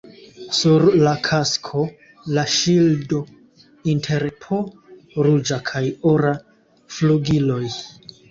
Sur la kasko la ŝildo inter po ruĝa kaj ora flugiloj.